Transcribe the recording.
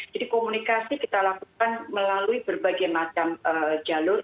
jadi komunikasi kita lakukan melalui berbagai macam jalur